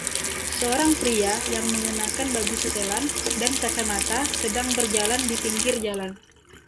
Seorang pria yang mengenakan baju setelan dan kacamata sedang berjalan di pinggir jalan.